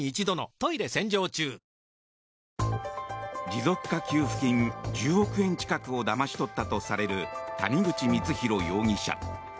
持続化給付金１０億円近くをだまし取ったとされる谷口光弘容疑者。